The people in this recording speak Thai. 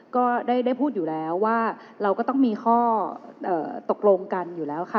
ก็ได้พูดอยู่แล้วว่าเราก็ต้องมีข้อตกลงกันอยู่แล้วค่ะ